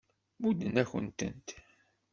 Mudden-akent-tent.